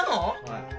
はい。